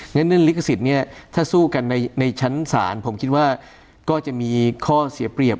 ฉะนั้นเรื่องลิขสิทธิ์เนี่ยถ้าสู้กันในชั้นศาลผมคิดว่าก็จะมีข้อเสียเปรียบ